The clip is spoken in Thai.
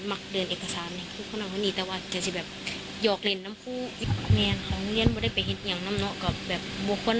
เพราะว่าเหตุเกิดแบบคือจากโรงเรียนอื่นมีคราวอื่นเกิดขึ้น